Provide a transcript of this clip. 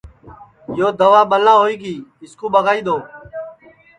یو دوا ٻلا ہوئی گی اِس کُو ٻگائی دؔو